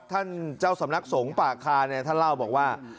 ท่านเจ้าสำนักสงฆ์ป่าคาเนี่ยท่านเล่าบอกว่า